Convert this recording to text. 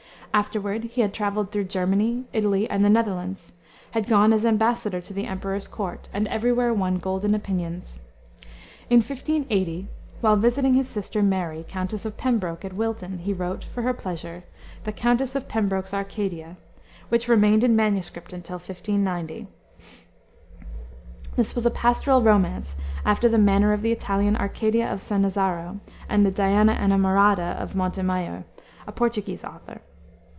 Afterward he had traveled through Germany, Italy, and the Netherlands, had gone as embassador to the Emperor's Court, and every where won golden opinions. In 1580, while visiting his sister Mary, Countess of Pembroke, at Wilton, he wrote, for her pleasure, the Countess of Pembroke's Arcadia, which remained in MS. till 1590. This was a pastoral romance, after the manner of the Italian Arcadia of Sanazzaro, and the Diana Enamorada of Montemayor, a Portuguese author.